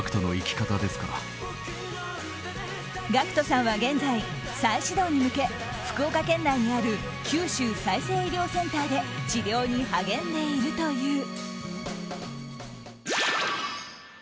ＧＡＣＫＴさんは現在、再始動に向け福岡県内にある九州再生医療センターで治療に励んでいるという。